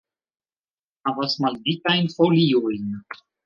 Ĝi havas maldikajn foliojn.